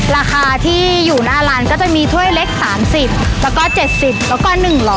ราคาที่อยู่หน้าร้านก็จะมีถ้วยเล็ก๓๐แล้วก็๗๐แล้วก็๑๐๐